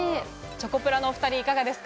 チョコプラのお２人、いかがですか？